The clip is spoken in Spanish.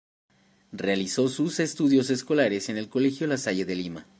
Realizó sus estudios escolares en el Colegio La Salle de Lima.